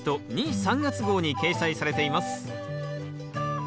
・３月号に掲載されています